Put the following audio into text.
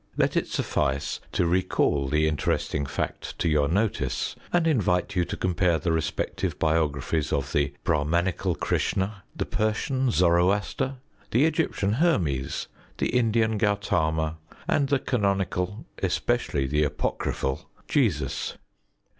Let it suffice to recall the interesting fact to your notice, and invite you to compare the respective biographies of the Br─ühman╠Żical Kr╠Żs╠Żhn╠Ża, the Persian Zoroaster, the Egyptian Hermes, the Indian Gaut╠Żama, and the canonical, especially the apocryphal, Jesus.